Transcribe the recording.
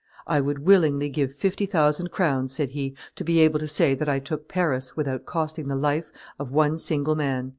"I would willingly give fifty thousand crowns," said he, "to be able to say that I took Paris without costing the life of one single man."